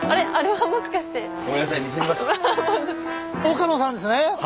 岡野さんですね？